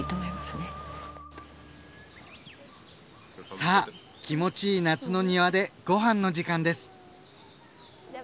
さぁ気持ちいい夏の庭でご飯の時間です！